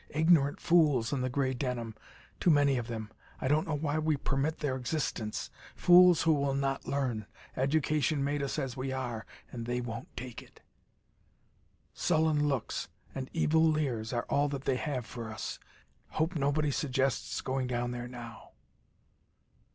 Ignorant fools in the gray denim too many of them. I don't know why we permit their existence. Fools who will not learn. Education made us as we are, and they won't take it. Sullen looks and evil leers are all that they have for us. Hope nobody suggests going down there now."